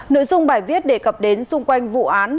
nội dung bài viết đề cập đến xung quanh vụ án